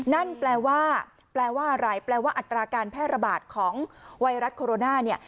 นั่นแปลว่าอะไรแปลว่าอัตราการแพร่ระบาดของไวรัสโคโรน่า